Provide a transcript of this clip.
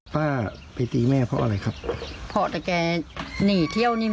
ป้าไปตีแม่เพราะอะไรครับเพราะแต่แกหนีเที่ยวนี่ไหม